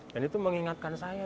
dan itu mengingatkan saya